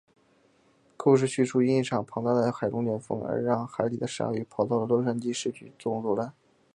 故事叙述因一场庞大的海龙卷风而让海里的鲨鱼跑到了洛杉矶市区中作乱。